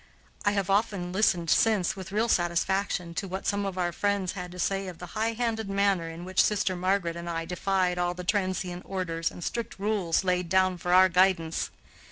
I have often listened since, with real satisfaction, to what some of our friends had to say of the high handed manner in which sister Margaret and I defied all the transient orders and strict rules laid down for our guidance.